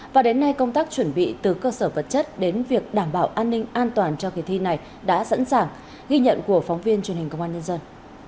và đến nay công tác chuẩn bị từ cơ sở vật chất đến việc đảm bảo an ninh an toàn cho kỳ thi này đã sẵn sàng ghi nhận của phóng viên truyền hình công an nhân dân